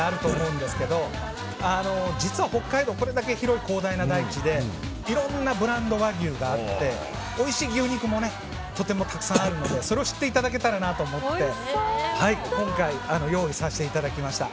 これだけ広い、広大な大地でいろんなブランド和牛があっておいしい牛肉もとてもたくさんあるので、それを知っていただけたらと思って今回、用意させていただきました。